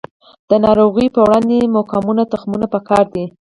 د ناروغیو په وړاندې مقاوم تخمونه پکار دي.